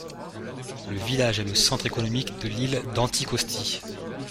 Le village est le centre économique de l'île d'Anticosti.